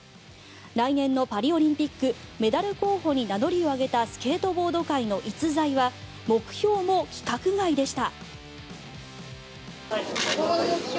来年のパリオリンピックメダル候補に名乗りを上げたスケートボード界の逸材は目標も規格外でした。